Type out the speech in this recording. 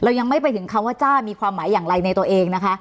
ยังไม่ไปถึงคำว่าจ้ามีความหมายอย่างไรในตัวเองนะคะ